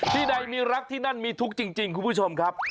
ที่ใดมีรักที่นั่นมีทุกข์จริงคุณผู้ชมครับ